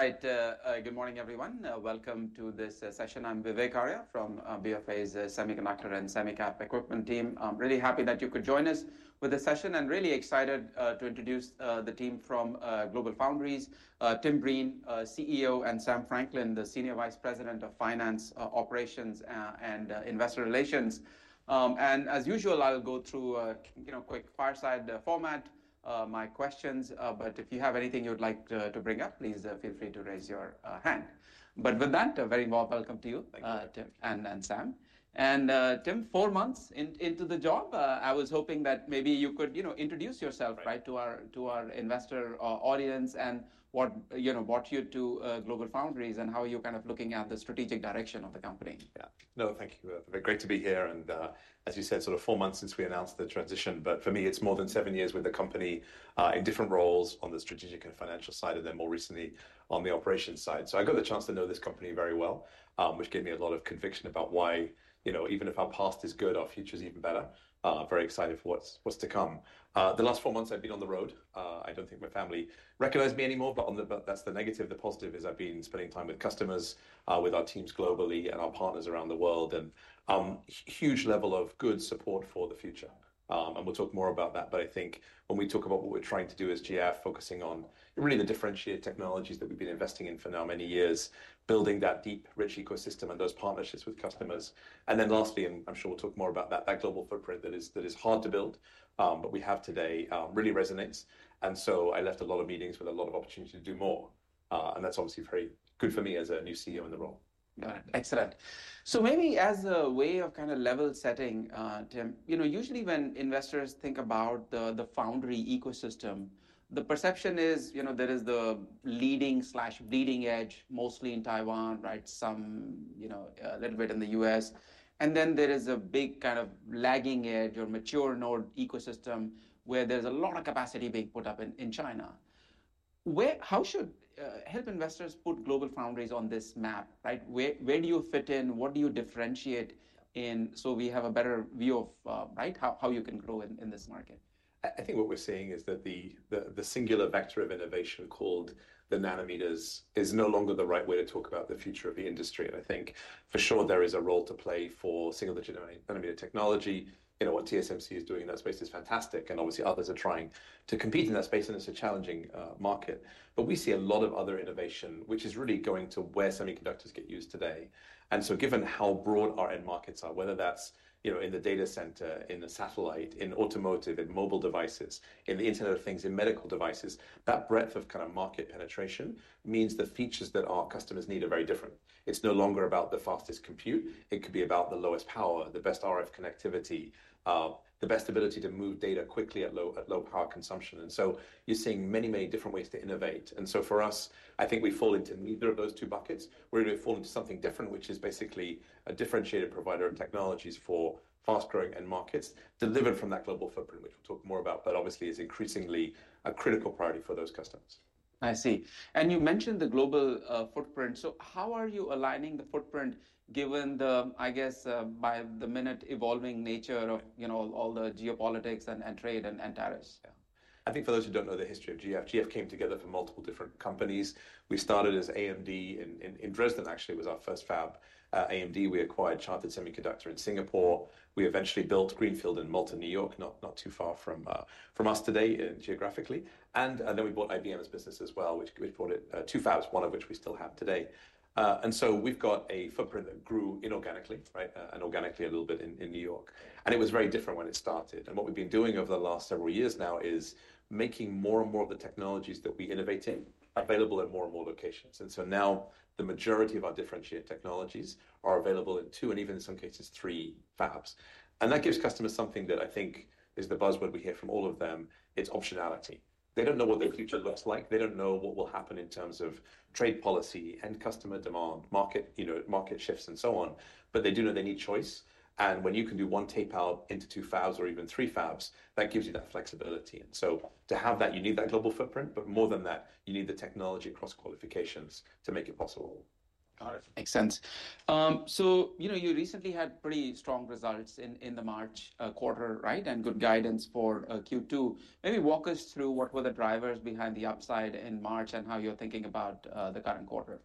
Right. Good morning, everyone. Welcome to this session. I'm Vivek Arya from BofA's Semiconductor and Semicap Equipment team. I'm really happy that you could join us for this session and really excited to introduce the team from GlobalFoundries, Tim Breen, CEO, and Sam Franklin, the Senior Vice President of Finance Operations and Investor Relations. As usual, I'll go through a quick fireside format, my questions. If you have anything you'd like to bring up, please feel free to raise your hand. With that, a very warm welcome to you, Tim and Sam. Tim, four months into the job, I was hoping that maybe you could introduce yourself to our investor audience and what brought you to GlobalFoundries and how you're kind of looking at the strategic direction of the company. Yeah. No, thank you. Great to be here. As you said, sort of four months since we announced the transition. For me, it's more than seven years with the company in different roles on the strategic and financial side and then more recently on the operations side. I got the chance to know this company very well, which gave me a lot of conviction about why even if our past is good, our future is even better. Very excited for what's to come. The last four months, I've been on the road. I don't think my family recognizes me anymore, but that's the negative. The positive is I've been spending time with customers, with our teams globally and our partners around the world, and a huge level of good support for the future. We'll talk more about that. I think when we talk about what we're trying to do as GF, focusing on really the differentiated technologies that we've been investing in for now many years, building that deep, rich ecosystem and those partnerships with customers. Lastly, and I'm sure we'll talk more about that, that global footprint that is hard to build, but we have today really resonates. I left a lot of meetings with a lot of opportunity to do more. That's obviously very good for me as a new CEO in the role. Got it. Excellent. Maybe as a way of kind of level setting, Tim, usually when investors think about the foundry ecosystem, the perception is there is the leading/bleeding edge, mostly in Taiwan, right? Some, a little bit in the U.S. There is a big kind of lagging edge or mature node ecosystem where there's a lot of capacity being put up in China. How should investors put GlobalFoundries on this map? Where do you fit in? What do you differentiate in so we have a better view of how you can grow in this market? I think what we're seeing is that the singular vector of innovation called the nanometers is no longer the right way to talk about the future of the industry. I think for sure there is a role to play for single-digit nanometer technology. What TSMC is doing in that space is fantastic. Obviously, others are trying to compete in that space, and it's a challenging market. We see a lot of other innovation, which is really going to where semiconductors get used today. Given how broad our end markets are, whether that's in the data center, in the satellite, in automotive, in mobile devices, in the Internet of Things, in medical devices, that breadth of kind of market penetration means the features that our customers need are very different. It's no longer about the fastest compute. It could be about the lowest power, the best RF connectivity, the best ability to move data quickly at low power consumption. You are seeing many, many different ways to innovate. For us, I think we fall into neither of those two buckets. We are going to fall into something different, which is basically a differentiated provider of technologies for fast-growing end markets delivered from that global footprint, which we will talk more about, but obviously is increasingly a critical priority for those customers. I see. You mentioned the global footprint. How are you aligning the footprint given the, I guess, by-the-minute evolving nature of all the geopolitics and trade and tariffs? Yeah. I think for those who do not know the history of GF, GF came together from multiple different companies. We started as AMD in Dresden, actually, was our first fab. AMD, we acquired Chartered Semiconductor in Singapore. We eventually built Greenfield in Malta, New York, not too far from us today geographically. We bought IBM as a business as well, which brought it two fabs, one of which we still have today. We have got a footprint that grew inorganically, and organically a little bit in New York. It was very different when it started. What we have been doing over the last several years now is making more and more of the technologies that we innovate in available in more and more locations. Now the majority of our differentiated technologies are available in two and even in some cases, three fabs. That gives customers something that I think is the buzzword we hear from all of them. It's optionality. They don't know what their future looks like. They don't know what will happen in terms of trade policy and customer demand, market shifts, and so on. They do know they need choice. When you can do one tape out into two fabs or even three fabs, that gives you that flexibility. To have that, you need that global footprint. More than that, you need the technology across qualifications to make it possible. Got it. Makes sense. You recently had pretty strong results in the March Quarter, right, and good guidance for Q2. Maybe walk us through what were the drivers behind the upside in March and how you're thinking about the current Quarter.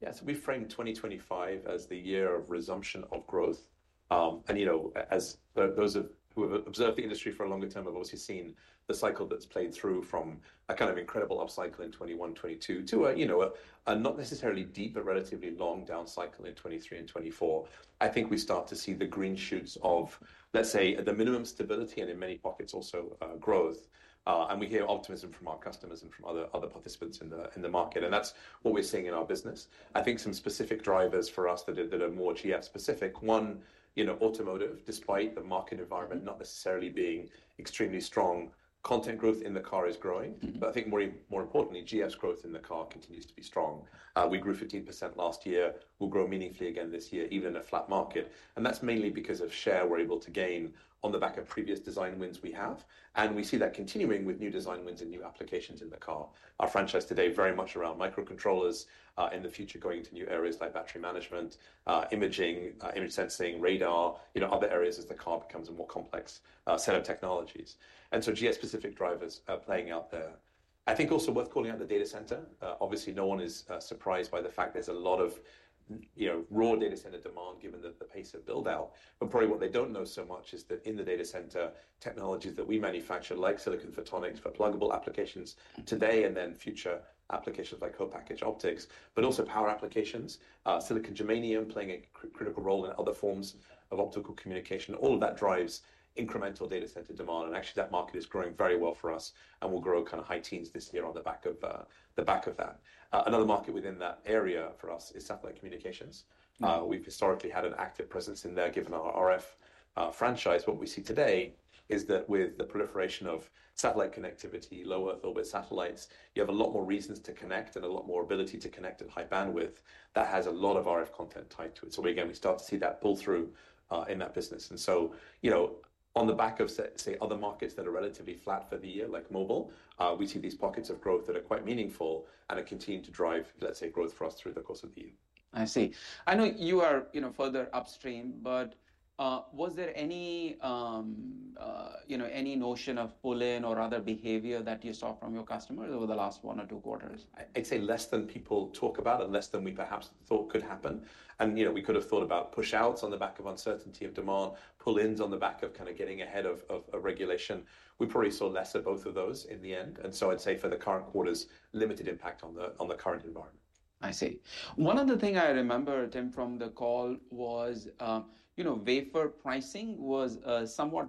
Yeah. We framed 2025 as the year of resumption of growth. As those who have observed the industry for a longer term have obviously seen, the cycle has played through from a kind of incredible upcycle in 2021 and 2022 to a not necessarily deep, but relatively long down cycle in 2023 and 2024. I think we start to see the green shoots of, let's say, at the minimum stability and in many pockets also growth. We hear optimism from our customers and from other participants in the market. That is what we are seeing in our business. I think some specific drivers for us that are more GF-specific: one, automotive, despite the market environment not necessarily being extremely strong. Content growth in the car is growing. I think more importantly, GF's growth in the car continues to be strong. We grew 15% last year. We'll grow meaningfully again this year, even in a flat market. That's mainly because of share we're able to gain on the back of previous design wins we have. We see that continuing with new design wins and new applications in the car. Our franchise today is very much around microcontrollers, in the future going to new areas like battery management, imaging, image sensing, radar, other areas as the car becomes a more complex set of technologies. GF-specific drivers are playing out there. I think it's also worth calling out the data center. Obviously, no one is surprised by the fact there's a lot of raw data center demand given the pace of build-out. Probably what they do not know so much is that in the data center, technologies that we manufacture, like silicon photonics for pluggable applications today and then future applications like co-packaged optics, but also power applications, silicon germanium playing a critical role in other forms of optical communication, all of that drives incremental data center demand. Actually, that market is growing very well for us. We will grow kind of high teens this year on the back of that. Another market within that area for us is satellite communications. We have historically had an active presence in there given our RF franchise. What we see today is that with the proliferation of satellite connectivity, low Earth orbit satellites, you have a lot more reasons to connect and a lot more ability to connect at high bandwidth that has a lot of RF content tied to it. Again, we start to see that pull through in that business. On the back of, say, other markets that are relatively flat for the year, like mobile, we see these pockets of growth that are quite meaningful and continue to drive, let's say, growth for us through the course of the year. I see. I know you are further upstream, but was there any notion of pull-in or other behavior that you saw from your customers over the last one or two Quarters? I'd say less than people talk about and less than we perhaps thought could happen. We could have thought about push-outs on the back of uncertainty of demand, pull-ins on the back of kind of getting ahead of a regulation. We probably saw less of both of those in the end. I'd say for the current Quarters, limited impact on the current environment. I see. One of the things I remember, Tim, from the call was wafer pricing was somewhat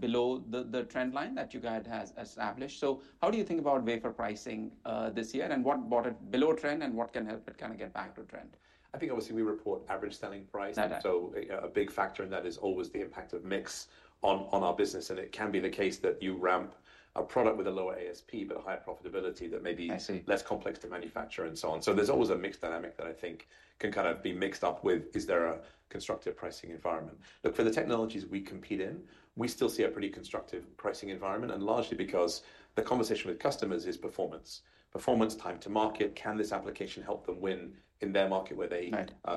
below the trend line that you guys have established. How do you think about wafer pricing this year? What brought it below trend, and what can help it kind of get back to trend? I think obviously we report average selling price. A big factor in that is always the impact of mix on our business. It can be the case that you ramp a product with a lower ASP, but a higher profitability that may be less complex to manufacture and so on. There is always a mix dynamic that I think can kind of be mixed up with, is there a constructive pricing environment? Look, for the technologies we compete in, we still see a pretty constructive pricing environment, and largely because the conversation with customers is performance. Performance, time to market, can this application help them win in their market where they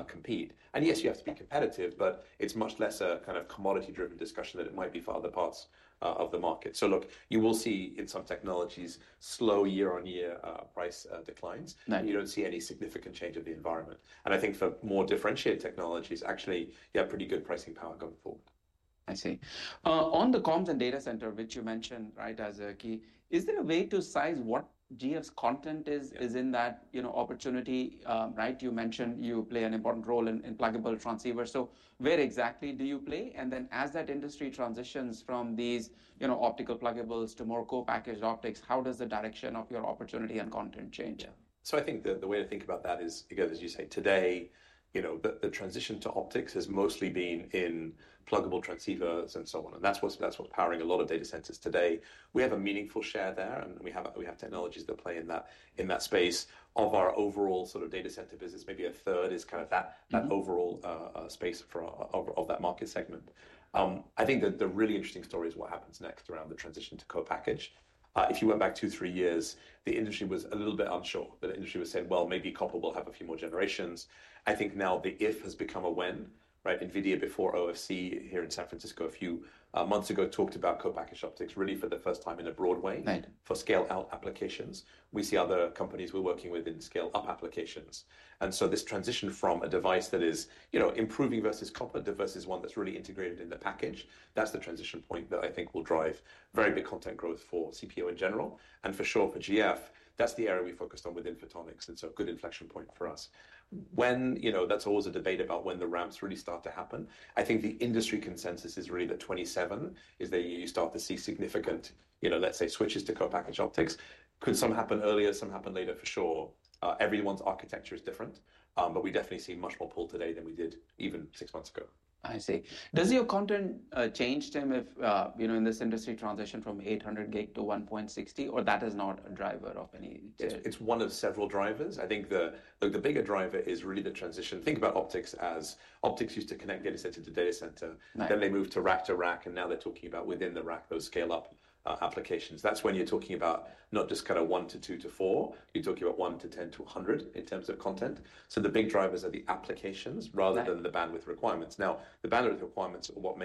compete? Yes, you have to be competitive, but it is much less a kind of commodity-driven discussion than it might be for other parts of the market. Look, you will see in some technologies slow year-on-year price declines. You do not see any significant change of the environment. I think for more differentiated technologies, actually, you have pretty good pricing power going forward. I see. On the comms and data center, which you mentioned as a key, is there a way to size what GF's content is in that opportunity? You mentioned you play an important role in pluggable transceivers. Where exactly do you play? As that industry transitions from these optical pluggables to more co-packaged optics, how does the direction of your opportunity and content change? I think the way to think about that is, again, as you say, today, the transition to optics has mostly been in pluggable transceivers and so on. That is what is powering a lot of data centers today. We have a meaningful share there, and we have technologies that play in that space. Of our overall sort of data center business, maybe a third is kind of that overall space of that market segment. I think the really interesting story is what happens next around the transition to co-package. If you went back two or three years, the industry was a little bit unsure. The industry was saying, well, maybe copper will have a few more generations. I think now the if has become a when. NVIDIA before OFC here in San Francisco a few months ago talked about co-packaged optics, really for the first time in a broad way for scale-out applications. We see other companies we're working with in scale-up applications. This transition from a device that is improving versus copper versus one that's really integrated in the package, that's the transition point that I think will drive very big content growth for CPO in general. For sure, for GF, that's the area we focused on within photonics. Good inflection point for us. When that's always a debate about when the ramps really start to happen, I think the industry consensus is really that 2027 is the year you start to see significant, let's say, switches to co-packaged optics. Could some happen earlier, some happen later for sure. Everyone's architecture is different. We definitely see much more pull today than we did even six months ago. I see. Does your content change, Tim, in this industry transition from 800 gig to 1.60, or that is not a driver of any? It's one of several drivers. I think the bigger driver is really the transition. Think about optics as optics used to connect data center to data center. Then they moved to rack to rack, and now they're talking about within the rack, those scale-up applications. That's when you're talking about not just kind of one to two to four. You're talking about one to ten to one hundred in terms of content. The big drivers are the applications rather than the bandwidth requirements. Now, the bandwidth requirements are what's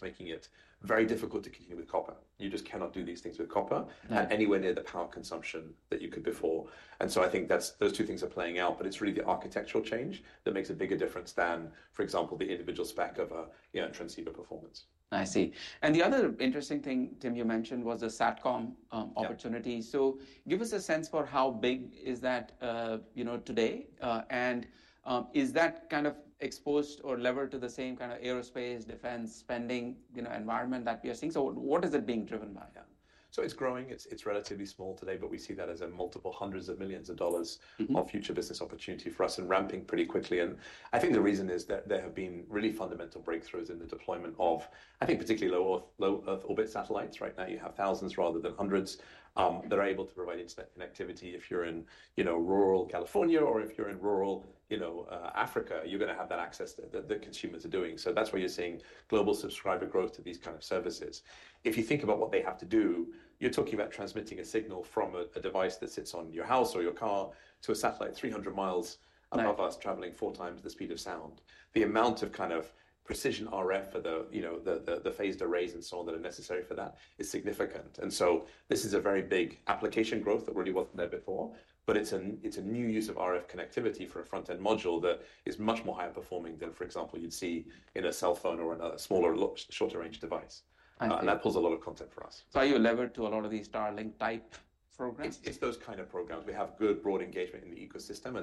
making it very difficult to continue with copper. You just cannot do these things with copper at anywhere near the power consumption that you could before. I think those two things are playing out. It is really the architectural change that makes a bigger difference than, for example, the individual spec of a transceiver performance. I see. The other interesting thing, Tim, you mentioned was the SATCOM opportunity. Give us a sense for how big is that today. Is that kind of exposed or leveled to the same kind of aerospace, defense spending environment that we are seeing? What is it being driven by? It's growing. It's relatively small today, but we see that as multiple hundreds of millions of dollars of future business opportunity for us and ramping pretty quickly. I think the reason is that there have been really fundamental breakthroughs in the deployment of, I think, particularly low Earth orbit satellites. Right now, you have thousands rather than hundreds that are able to provide internet connectivity. If you're in rural California or if you're in rural Africa, you're going to have that access that consumers are doing. That's where you're seeing global subscriber growth to these kind of services. If you think about what they have to do, you're talking about transmitting a signal from a device that sits on your house or your car to a satellite 300 miles above us, traveling four times the speed of sound. The amount of kind of precision RF for the phased arrays and so on that are necessary for that is significant. This is a very big application growth that really was not there before. It is a new use of RF connectivity for a front-end module that is much more high-performing than, for example, you would see in a cell phone or a smaller, shorter-range device. That pulls a lot of content for us. Are you levered to a lot of these Starlink-type programs? It's those kind of programs. We have good broad engagement in the ecosystem.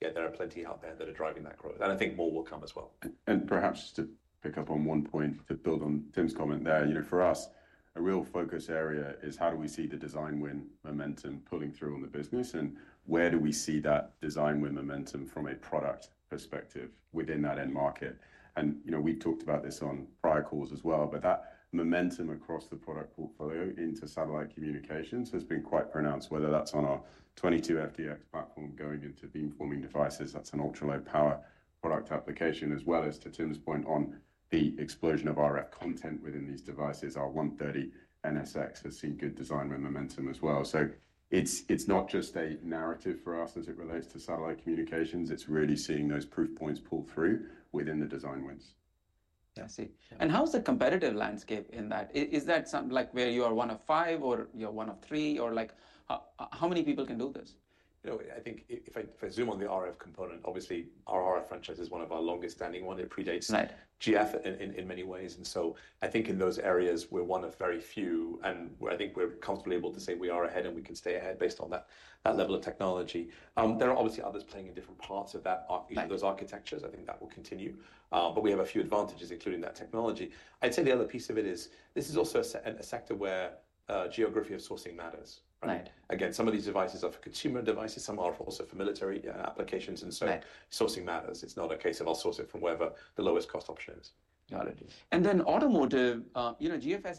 Yeah, there are plenty out there that are driving that growth. I think more will come as well. Perhaps just to pick up on one point to build on Tim's comment there, for us, a real focus area is how do we see the design win momentum pulling through on the business? Where do we see that design win momentum from a product perspective within that end market? We talked about this on prior calls as well, but that momentum across the product portfolio into satellite communications has been quite pronounced, whether that's on our 22FDX platform going into beamforming devices. That is an ultra-low power product application, as well as to Tim's point on the explosion of RF content within these devices. Our 130nm NSX has seen good design win momentum as well. It is not just a narrative for us as it relates to satellite communications. It is really seeing those proof points pull through within the design wins. I see. How's the competitive landscape in that? Is that like where you are one of five or you're one of three? How many people can do this? I think if I zoom on the RF component, obviously, our RF franchise is one of our longest-standing ones. It predates GF in many ways. I think in those areas, we're one of very few. I think we're comfortably able to say we are ahead and we can stay ahead based on that level of technology. There are obviously others playing in different parts of those architectures. I think that will continue. We have a few advantages, including that technology. I'd say the other piece of it is this is also a sector where geography of sourcing matters. Again, some of these devices are for consumer devices. Some are also for military applications. Sourcing matters. It's not a case of I'll source it from wherever the lowest cost option is. Got it. Automotive, GF has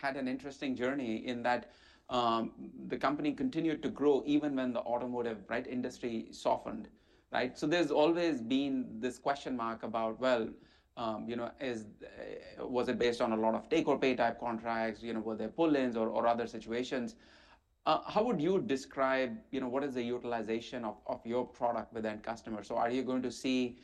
had an interesting journey in that the company continued to grow even when the automotive industry softened. There has always been this question mark about, well, was it based on a lot of take-or-pay type contracts? Were there pull-ins or other situations? How would you describe what is the utilization of your product with end customers? Are you going to see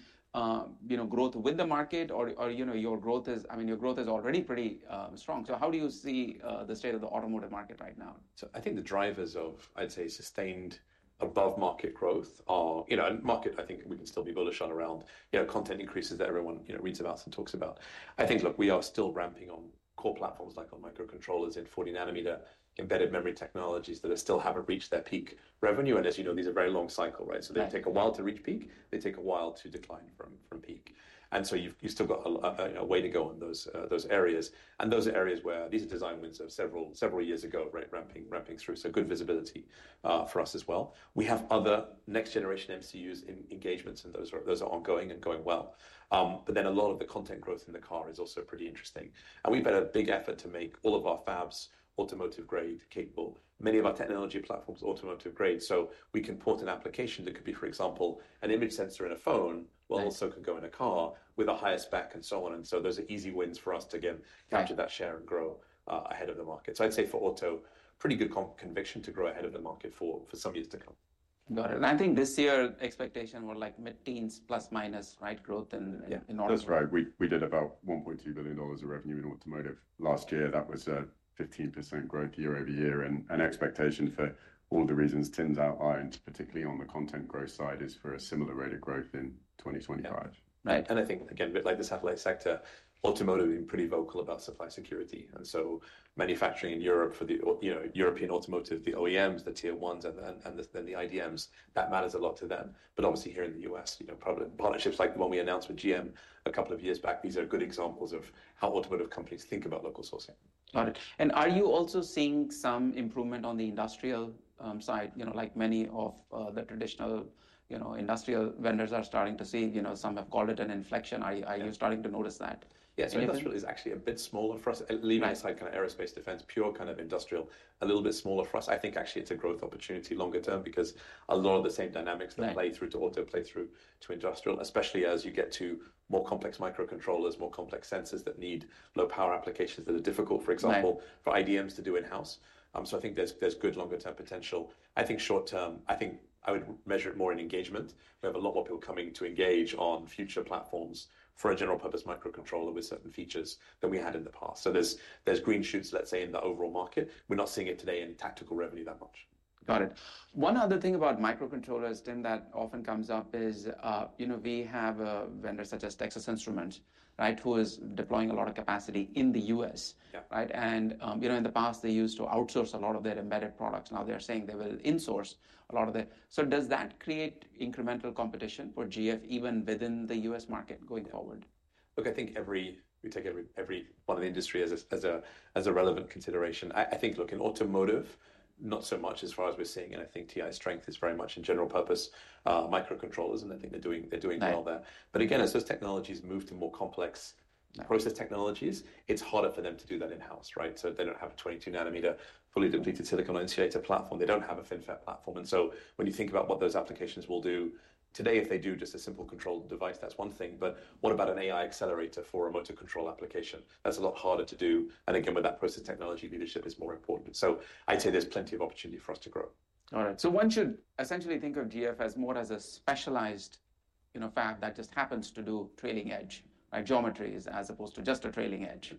growth with the market? Your growth is, I mean, your growth is already pretty strong. How do you see the state of the automotive market right now? I think the drivers of, I'd say, sustained above-market growth are market, I think we can still be bullish on around content increases that everyone reads about and talks about. I think, look, we are still ramping on core platforms like on microcontrollers in 40-nanometer embedded memory technologies that still haven't reached their peak revenue. As you know, these are very long cycles. They take a while to reach peak. They take a while to decline from peak. You've still got a way to go on those areas. Those are areas where these are design wins of several years ago, ramping through. Good visibility for us as well. We have other next-generation MCUs engagements, and those are ongoing and going well. A lot of the content growth in the car is also pretty interesting. We have had a big effort to make all of our fabs automotive-grade capable. Many of our technology platforms are automotive-grade. We can port an application that could be, for example, an image sensor in a phone, but also could go in a car with a higher spec and so on. Those are easy wins for us to again capture that share and grow ahead of the market. I would say for auto, pretty good conviction to grow ahead of the market for some years to come. Got it. I think this year expectations were like mid-teens, plus-minus growth in auto. That's right. We did about $1.2 billion of revenue in automotive last year. That was a 15% growth year over year. Expectation for all the reasons Tim's outlined, particularly on the content growth side, is for a similar rate of growth in 2025. I think, again, like the satellite sector, automotive has been pretty vocal about supply security. Manufacturing in Europe for the European automotive, the OEMs, the tier ones, and then the IDMs, that matters a lot to them. Obviously here in the U.S., partnerships like the one we announced with GM a couple of years back, these are good examples of how automotive companies think about local sourcing. Got it. Are you also seeing some improvement on the industrial side, like many of the traditional industrial vendors are starting to see? Some have called it an inflection. Are you starting to notice that? Yes. Industrial is actually a bit smaller for us, leaving aside kind of aerospace defense, pure kind of industrial, a little bit smaller for us. I think actually it's a growth opportunity longer term because a lot of the same dynamics that play through to auto play through to industrial, especially as you get to more complex microcontrollers, more complex sensors that need low-power applications that are difficult, for example, for IDMs to do in-house. I think there's good longer-term potential. I think short-term, I would measure it more in engagement. We have a lot more people coming to engage on future platforms for a general-purpose microcontroller with certain features than we had in the past. There's green shoots, let's say, in the overall market. We're not seeing it today in tactical revenue that much. Got it. One other thing about microcontrollers, Tim, that often comes up is we have a vendor such as Texas Instruments who is deploying a lot of capacity in the U.S. In the past, they used to outsource a lot of their embedded products. Now they're saying they will insource a lot of them. Does that create incremental competition for GF even within the U.S. market going forward? Look, I think we take every part of the industry as a relevant consideration. I think, look, in automotive, not so much as far as we're seeing. I think TI's strength is very much in general-purpose microcontrollers. I think they're doing well there. Again, as those technologies move to more complex process technologies, it's harder for them to do that in-house. They do not have a 22-nanometer fully depleted silicon-on-insulator platform. They do not have a FinFET platform. When you think about what those applications will do today, if they do just a simple control device, that's one thing. What about an AI accelerator for a motor control application? That's a lot harder to do. Again, with that, process technology leadership is more important. I'd say there's plenty of opportunity for us to grow. All right. So one should essentially think of GF as more as a specialized fab that just happens to do trailing edge geometries as opposed to just a trailing edge.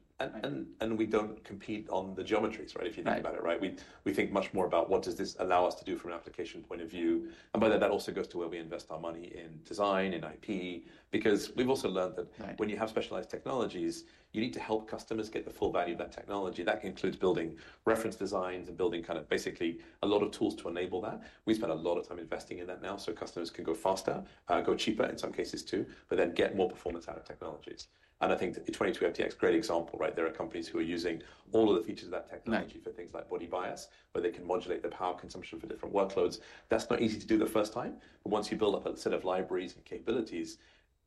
We do not compete on the geometries, if you think about it. We think much more about what does this allow us to do from an application point of view. By that, that also goes to where we invest our money in design, in IP, because we have also learned that when you have specialized technologies, you need to help customers get the full value of that technology. That includes building reference designs and building kind of basically a lot of tools to enable that. We spend a lot of time investing in that now so customers can go faster, go cheaper in some cases too, but then get more performance out of technologies. I think the 22FDX, great example. There are companies who are using all of the features of that technology for things like body bias, where they can modulate the power consumption for different workloads. That's not easy to do the first time. Once you build up a set of libraries and capabilities,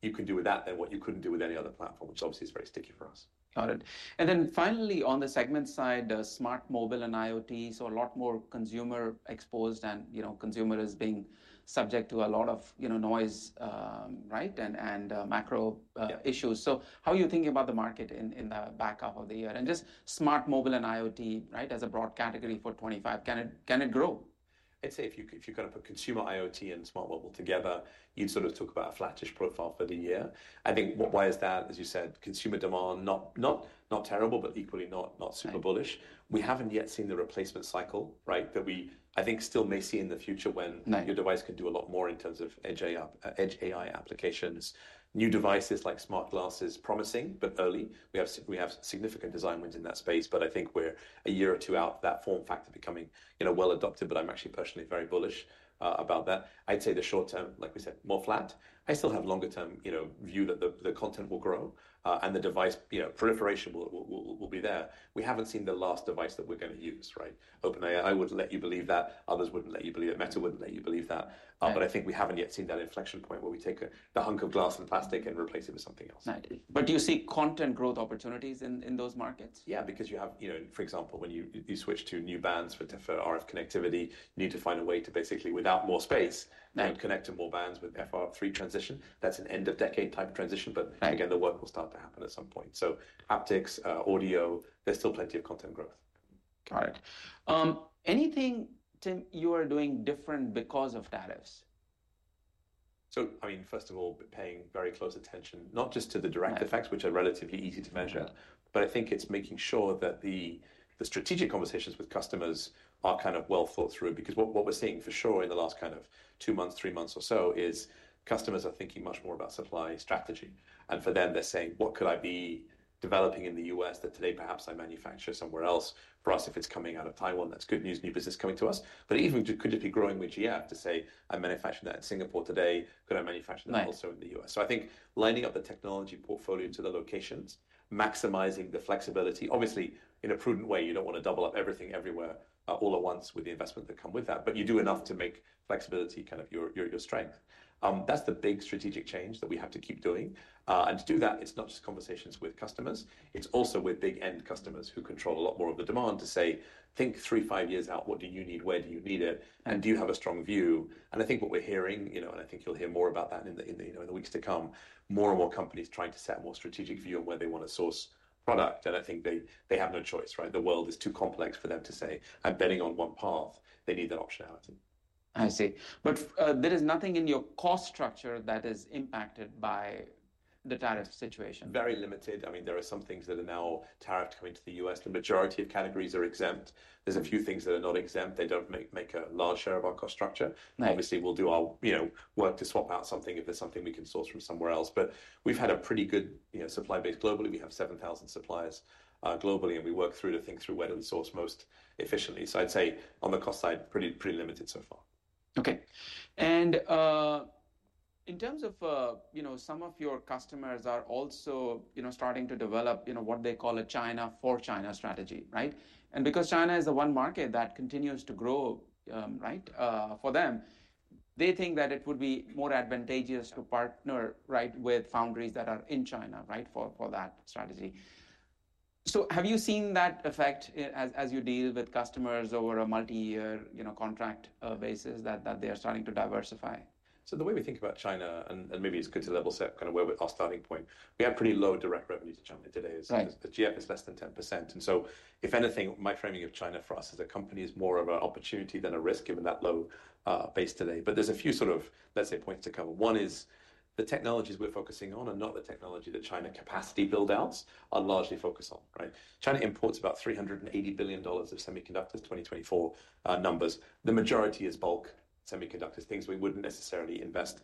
you can do with that then what you couldn't do with any other platform, which obviously is very sticky for us. Got it. And then finally, on the segment side, smart mobile and IoT, so a lot more consumer exposed and consumer is being subject to a lot of noise and macro issues. How are you thinking about the market in the back half of the year? And just smart mobile and IoT as a broad category for 2025, can it grow? I'd say if you kind of put consumer IoT and smart mobile together, you'd sort of talk about a flattish profile for the year. I think why is that? As you said, consumer demand, not terrible, but equally not super bullish. We haven't yet seen the replacement cycle that we I think still may see in the future when your device can do a lot more in terms of edge AI applications. New devices like smart glasses, promising, but early. We have significant design wins in that space. I think we're a year or two out of that form factor becoming well adopted. I'm actually personally very bullish about that. I'd say the short term, like we said, more flat. I still have a longer-term view that the content will grow and the device proliferation will be there. We haven't seen the last device that we're going to use. OpenAI would let you believe that. Others wouldn't let you believe it. Meta wouldn't let you believe that. I think we haven't yet seen that inflection point where we take the hunk of glass and plastic and replace it with something else. Do you see content growth opportunities in those markets? Yeah, because you have, for example, when you switch to new bands for RF connectivity, you need to find a way to basically, without more space, connect to more bands with FR3 transition. That is an end-of-decade type transition. Again, the work will start to happen at some point. Haptics, audio, there is still plenty of content growth. Got it. Anything, Tim, you are doing different because of tariffs? I mean, first of all, paying very close attention, not just to the direct effects, which are relatively easy to measure. I think it's making sure that the strategic conversations with customers are kind of well thought through. What we're seeing for sure in the last two months, three months or so is customers are thinking much more about supply strategy. For them, they're saying, what could I be developing in the U.S. that today perhaps I manufacture somewhere else? For us, if it's coming out of Taiwan, that's good news, new business coming to us. Even could it be growing with GF to say, I manufacture that in Singapore today. Could I manufacture that also in the U.S.? I think lining up the technology portfolio to the locations, maximizing the flexibility, obviously in a prudent way. You don't want to double up everything everywhere all at once with the investment that come with that. You do enough to make flexibility kind of your strength. That's the big strategic change that we have to keep doing. To do that, it's not just conversations with customers. It's also with big end customers who control a lot more of the demand to say, think three, five years out, what do you need? Where do you need it? Do you have a strong view? I think what we're hearing, and I think you'll hear more about that in the weeks to come, more and more companies trying to set a more strategic view on where they want to source product. I think they have no choice. The world is too complex for them to say. Betting on one path, they need that optionality. I see. There is nothing in your cost structure that is impacted by the tariff situation. Very limited. I mean, there are some things that are now tariffed coming to the U.S. The majority of categories are exempt. There's a few things that are not exempt. They do not make a large share of our cost structure. Obviously, we'll do our work to swap out something if there's something we can source from somewhere else. I mean, we've had a pretty good supply base globally. We have 7,000 suppliers globally. We work through to think through where do we source most efficiently. I'd say on the cost side, pretty limited so far. Okay. In terms of some of your customers are also starting to develop what they call a China for China strategy. Because China is the one market that continues to grow for them, they think that it would be more advantageous to partner with foundries that are in China for that strategy. Have you seen that effect as you deal with customers over a multi-year contract basis that they are starting to diversify? The way we think about China, and maybe it's good to level set kind of where our starting point, we have pretty low direct revenues in China today. GF is less than 10%. If anything, my framing of China for us as a company is more of an opportunity than a risk given that low base today. There are a few sort of, let's say, points to cover. One is the technologies we're focusing on and not the technology that China capacity buildouts are largely focused on. China imports about $380 billion of semiconductors, 2024 numbers. The majority is bulk semiconductors, things we wouldn't necessarily invest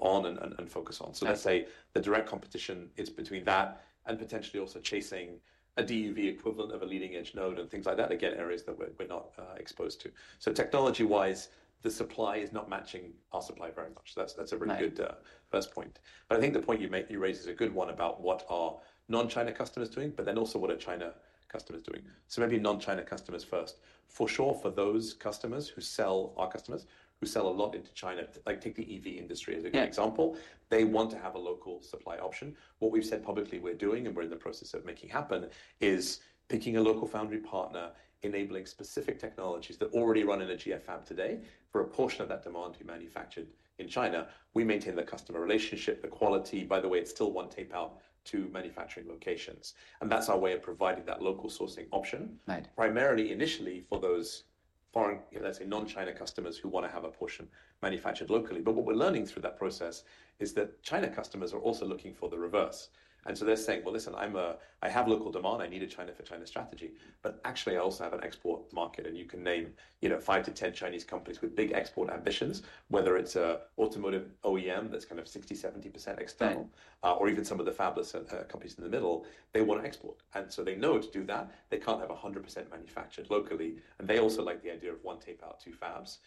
on and focus on. Let's say the direct competition is between that and potentially also chasing a DUV equivalent of a leading edge node and things like that. Again, areas that we're not exposed to. Technology-wise, the supply is not matching our supply very much. That's a really good first point. I think the point you raise is a good one about what are non-China customers doing, but then also what are China customers doing. Maybe non-China customers first. For sure, for those customers who sell, our customers, who sell a lot into China, like take the EV industry as a good example. They want to have a local supply option. What we've said publicly we're doing and we're in the process of making happen is picking a local foundry partner, enabling specific technologies that already run in a GF fab today for a portion of that demand to be manufactured in China. We maintain the customer relationship, the quality. By the way, it's still one tape out to manufacturing locations. That is our way of providing that local sourcing option, primarily initially for those foreign, let's say, non-China customers who want to have a portion manufactured locally. What we are learning through that process is that China customers are also looking for the reverse. They are saying, listen, I have local demand. I need a China for China strategy. Actually, I also have an export market. You can name 5-10 Chinese companies with big export ambitions, whether it is an automotive OEM that is kind of 60%-70% external, or even some of the fabless companies in the middle, they want to export. They know to do that, they cannot have 100% manufactured locally. They also like the idea of one tape out, two fabs.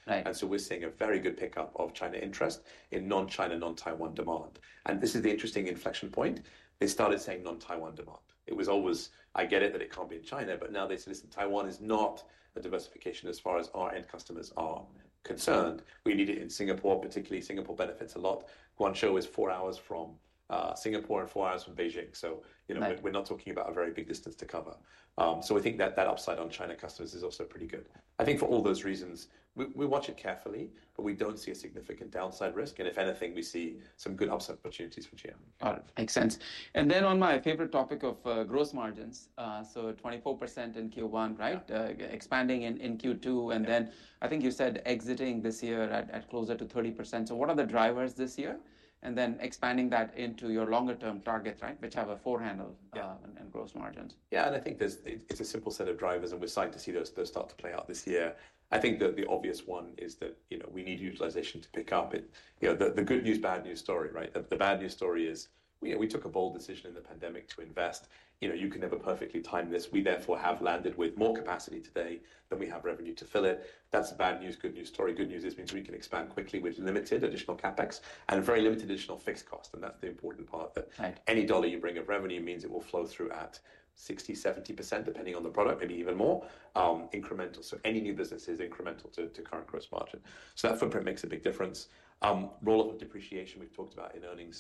We are seeing a very good pickup of China interest in non-China, non-Taiwan demand. This is the interesting inflection point. They started saying non-Taiwan demand. It was always, I get it that it can't be in China. Now they said, listen, Taiwan is not a diversification as far as our end customers are concerned. We need it in Singapore, particularly Singapore benefits a lot. Guangzhou is four hours from Singapore and four hours from Beijing. We are not talking about a very big distance to cover. We think that that upside on China customers is also pretty good. I think for all those reasons, we watch it carefully, but we do not see a significant downside risk. If anything, we see some good upside opportunities for GF. Makes sense. On my favorite topic of gross margins, 24% in Q1, expanding in Q2, and then I think you said exiting this year at closer to 30%. What are the drivers this year? Expanding that into your longer-term targets, which have a four handle in gross margins. Yeah, I think it's a simple set of drivers. We're starting to see those start to play out this year. I think that the obvious one is that we need utilization to pick up. The good news, bad news story. The bad news story is we took a bold decision in the pandemic to invest. You can never perfectly time this. We therefore have landed with more capacity today than we have revenue to fill it. That's the bad news, good news story. Good news is we can expand quickly with limited additional CapEx and very limited additional fixed costs. That's the important part that any dollar you bring of revenue means it will flow through at 60%-70%, depending on the product, maybe even more incremental. Any new business is incremental to current gross margin. That footprint makes a big difference. Roll-up of depreciation we've talked about in earnings.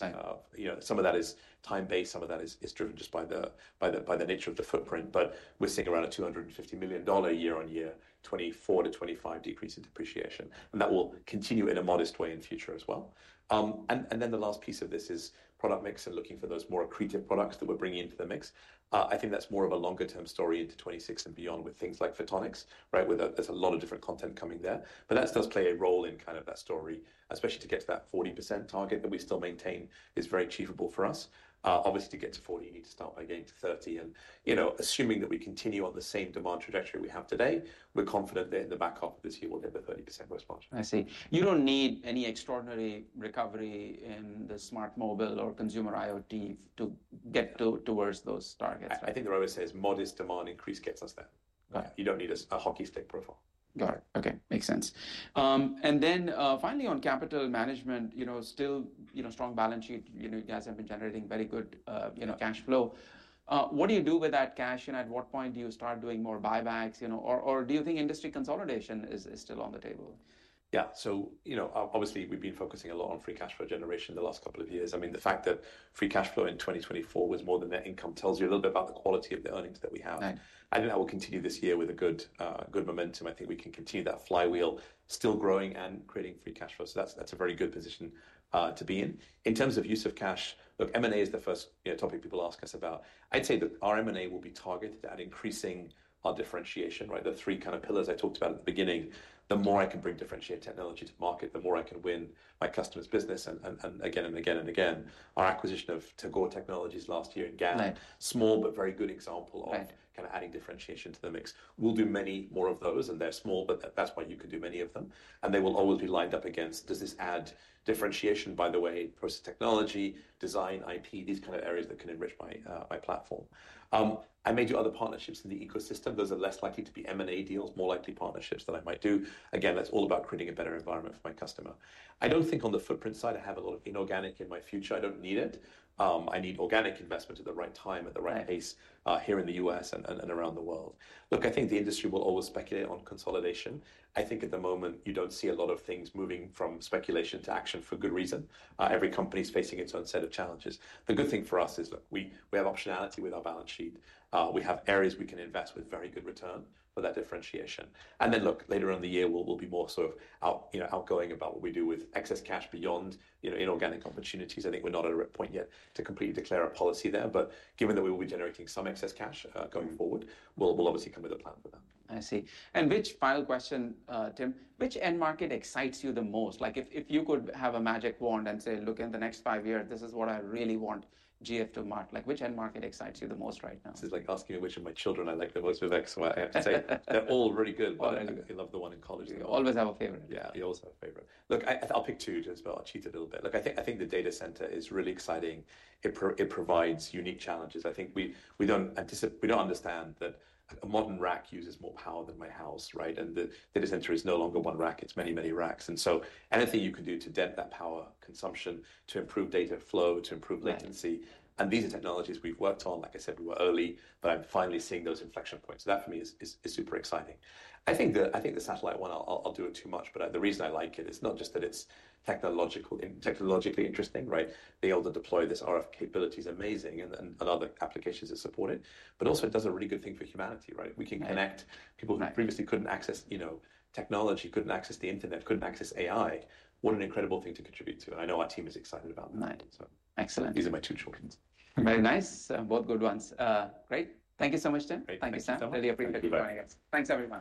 Some of that is time-based. Some of that is driven just by the nature of the footprint. We're seeing around a $250 million year-on-year, 2024 to 2025 decrease in depreciation. That will continue in a modest way in future as well. The last piece of this is product mix and looking for those more accretive products that we're bringing into the mix. I think that's more of a longer-term story into 2026 and beyond with things like photonics, where there's a lot of different content coming there. That does play a role in kind of that story, especially to get to that 40% target that we still maintain is very achievable for us. Obviously, to get to 40%, you need to start by getting to 30%. Assuming that we continue on the same demand trajectory we have today, we're confident that in the back half of this year, we'll hit the 30% gross margin. I see. You do not need any extraordinary recovery in the smart mobile or consumer IoT to get towards those targets. I think the road says modest demand increase gets us there. You don't need a hockey stick profile. Got it. Okay, makes sense. Finally, on capital management, still strong balance sheet. You guys have been generating very good cash flow. What do you do with that cash? At what point do you start doing more buybacks? Do you think industry consolidation is still on the table? Yeah. So obviously, we've been focusing a lot on free cash flow generation the last couple of years. I mean, the fact that free cash flow in 2024 was more than net income tells you a little bit about the quality of the earnings that we have. I think that will continue this year with a good momentum. I think we can continue that flywheel still growing and creating free cash flow. That's a very good position to be in. In terms of use of cash, look, M&A is the first topic people ask us about. I'd say that our M&A will be targeted at increasing our differentiation. The three kind of pillars I talked about at the beginning, the more I can bring differentiated technology to market, the more I can win my customer's business. Our acquisition of Tagore Technologies last year in GaN, small but very good example of kind of adding differentiation to the mix. We'll do many more of those. They're small, but that's why you can do many of them. They will always be lined up against, does this add differentiation by the way, process technology, design, IP, these kind of areas that can enrich my platform. I may do other partnerships in the ecosystem. Those are less likely to be M&A deals, more likely partnerships that I might do. Again, that's all about creating a better environment for my customer. I don't think on the footprint side, I have a lot of inorganic in my future. I don't need it. I need organic investment at the right time, at the right pace here in the U.S. and around the world. Look, I think the industry will always speculate on consolidation. I think at the moment, you do not see a lot of things moving from speculation to action for good reason. Every company is facing its own set of challenges. The good thing for us is we have optionality with our balance sheet. We have areas we can invest with very good return for that differentiation. Later on in the year, we will be more sort of outgoing about what we do with excess cash beyond inorganic opportunities. I think we are not at a point yet to completely declare a policy there. Given that we will be generating some excess cash going forward, we will obviously come with a plan for that. I see. Which final question, Tim, which end market excites you the most? If you could have a magic wand and say, look, in the next five years, this is what I really want GF to mark, which end market excites you the most right now? This is like asking me which of my children I like the most with X. I have to say they're all really good. I love the one in college. You always have a favorite. Yeah, you always have a favorite. Look, I'll pick two as well. I'll cheat a little bit. Look, I think the data center is really exciting. It provides unique challenges. I think we don't understand that a modern rack uses more power than my house. The data center is no longer one rack. It's many, many racks. Anything you can do to dent that power consumption, to improve data flow, to improve latency. These are technologies we've worked on. Like I said, we were early, but I'm finally seeing those inflection points. That for me is super exciting. I think the satellite one, I'll do it too much. The reason I like it is not just that it's technologically interesting. The able to deploy this RF capability is amazing. Other applications that support it.It also does a really good thing for humanity. We can connect people who previously could not access technology, could not access the internet, could not access AI. What an incredible thing to contribute to. I know our team is excited about that. Excellent. These are my two children. Very nice. Both good ones. Great. Thank you so much, Tim. Thank you, Sam. Really appreciate you joining us. Thanks everyone.